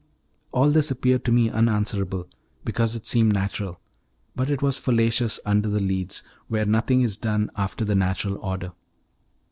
All this appeared to me unanswerable, because it seemed natural, but it was fallacious under the Leads, where nothing is done after the natural order.